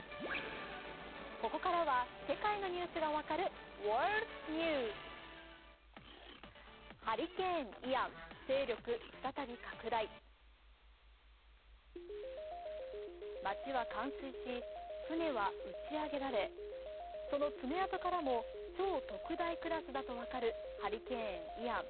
ここからは世界のニュースが分かる、「ワールドニュース」街は冠水し、船は打ち上げられその爪痕からも超特大クラスだと分かるハリケーン・イアン。